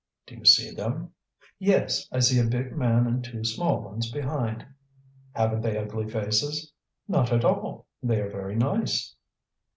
"Do you see them?" "Yes, I see a big man and two small ones behind." "Haven't they ugly faces?" "Not at all; they are very nice."